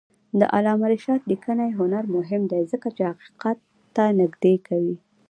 د علامه رشاد لیکنی هنر مهم دی ځکه چې حقیقت ته نږدې کوي.